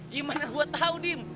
gimana gua tau dim